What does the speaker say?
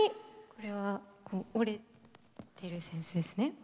これは折れてる扇子ですね。